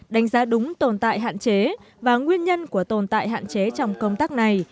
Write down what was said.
đánh giá đúng tồn tại hạn chế và nguyên nhân của tồn tại hạn chế trong công tác này